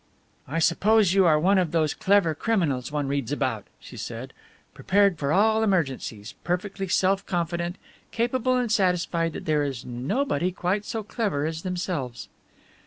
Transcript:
"I suppose you are one of those clever criminals one reads about," she said, "prepared for all emergencies, perfectly self confident, capable and satisfied that there is nobody quite so clever as themselves."